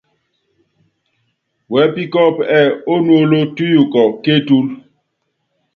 Wɛ́pí kɔ́ɔ́pú ɛ́ɛ: Ónuóló túyuukɔ ké etúlú.